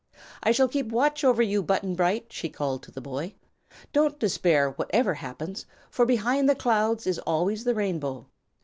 "I shall keep watch over you, Button Bright," she called to the boy. "Don't despair, whatever happens, for behind the clouds is always the Rainbow!"